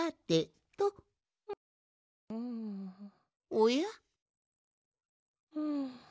おや？